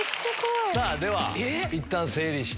では、いったん整理して。